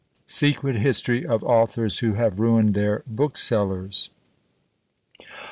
SECRET HISTORY OF AUTHORS WHO HAVE RUINED THEIR BOOKSELLERS.